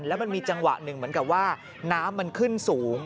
แล้วมันมีจังหวะหนึ่งเหมือนกับว่าน้ำมันขึ้นสูง